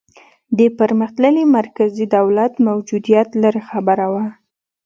د پرمختللي مرکزي دولت موجودیت لرې خبره وه.